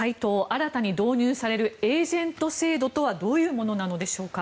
新たに導入されるエージェント制度とはどういうものなのでしょうか。